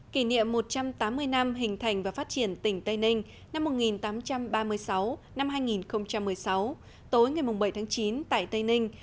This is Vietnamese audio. kỷ niệm một trăm tám mươi năm hình thành và phát triển tỉnh tây ninh năm một nghìn tám trăm ba mươi sáu hai nghìn một mươi sáu tối ngày bảy tháng chín tại tây ninh